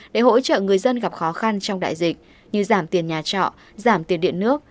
để hỗ trợ người dân gặp khó khăn trong đại dịch như giảm tiền nhà trọ giảm tiền điện nước